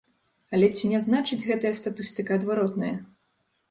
Але ці не значыць гэтая статыстыка адваротнае?